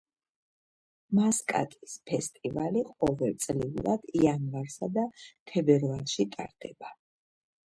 მასკატის ფესტივალი ყოველწლიურად იანვარსა და თებერვალში ტარდება.